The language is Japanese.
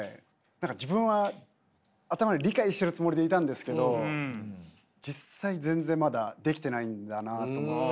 何か自分は頭で理解してるつもりでいたんですけど実際全然まだできてないんだなと思って。